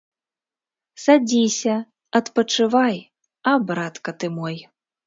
Садзіся, адпачывай, а братка ты мой!